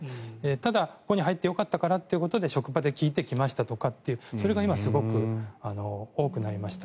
ただ、ここに入ってよかったということで職場で聞いて来ましたとかっていうそれが今すごく多くなりました。